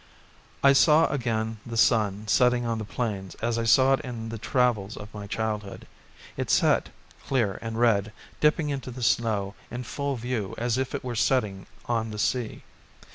I saw again the sun setting on the plains as I saw it in the travels of my childhood. It set, clear and red, dipping into the snow in full view as if it were setting on the sea.